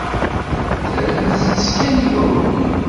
Terramt-tt kan i wawal.